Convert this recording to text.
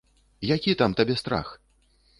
Які там табе страх?